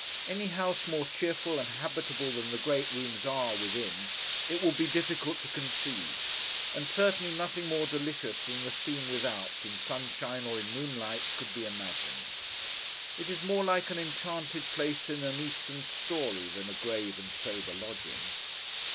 Any house more cheerful and habitable than the great rooms are, within, it would be difficult to conceive; and certainly nothing more delicious than the scene without, in sunshine or in moonlight, could be imagined. It is more like an enchanted place in an Eastern story than a grave and sober lodging.